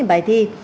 sáu bài thi